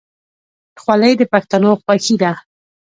خولۍ د پښتنو خوښي ده.